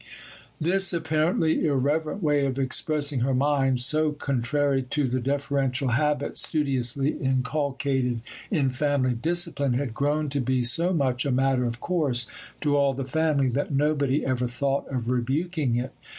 This apparently irreverent way of expressing her mind, so contrary to the deferential habits studiously inculcated in family discipline, had grown to be so much a matter of course to all the family that nobody ever thought of rebuking it.